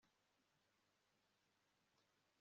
kandi intimba zacu zizarangira